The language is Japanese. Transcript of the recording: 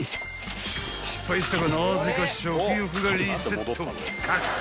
［失敗したがなぜか食欲がリセット覚醒］